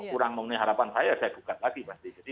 kurang memenuhi harapan saya saya gugat lagi pasti